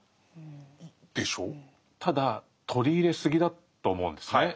ただ取り入れすぎだと思うんですね。